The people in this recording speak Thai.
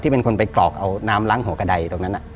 เป็นคนไปกรอกเอาน้ำล้างหัวกระดายตรงนั้น